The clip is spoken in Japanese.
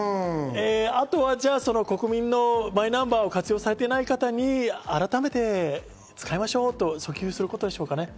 あとはマイナンバーを活用されていない方に改めて使いましょうと訴求することでしょうかね。